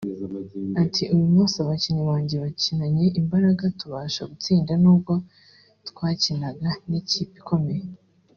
Ati “Uyu munsi abakinnyi banjye bakinanye imbaraga tubasha gutsinda n’ubwo twakinaga n’ikipe ikomeye